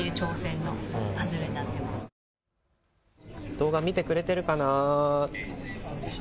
動画見てくれてるかな。